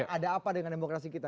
ada apa dengan demokrasi kita